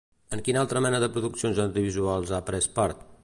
En quina altra mena de produccions audiovisuals ha pres part?